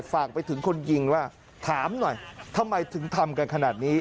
ฝากไปถึงคนยิงว่าถามหน่อยทำไมถึงทำกันขนาดนี้